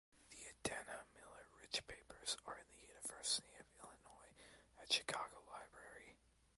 The Adena Miller Rich papers are in the University of Illinois at Chicago Library.